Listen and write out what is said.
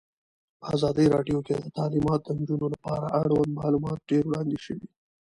په ازادي راډیو کې د تعلیمات د نجونو لپاره اړوند معلومات ډېر وړاندې شوي.